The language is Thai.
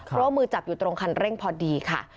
เพราะว่ามือจับอยู่ตรงคันเร่งพอดีค่ะ